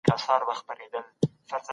د کفايت لږولو په صورت کي د ميرمني ضرر دی.